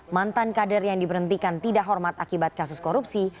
mantan kader yang diberhentikan tidak hormat akibat kasus korupsi